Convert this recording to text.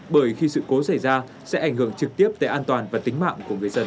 bởi khi sự cố xảy ra sẽ ảnh hưởng trực tiếp tới an toàn và tính mạng của người dân